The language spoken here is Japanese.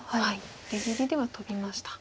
出切りではトビました。